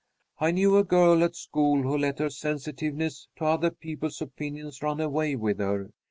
I knew a girl at school who let her sensitiveness to other people's opinions run away with her.